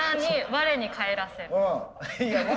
我に返らせる？